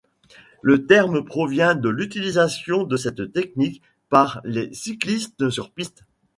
Le terme provient de l'utilisation de cette technique par les cyclistes sur piste.